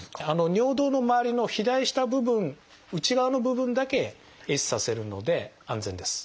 尿道のまわりの肥大した部分内側の部分だけ壊死させるので安全です。